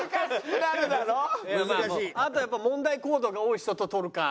あとはやっぱ問題行動が多い人と取るか。